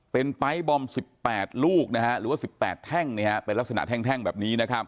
เป็นไปร์ทบอม๑๘ลูกหรือว่า๑๘แท่งเป็นลักษณะแท่งแบบนี้นะครับ